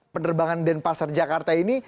penerbangan dan pasar jakarta ini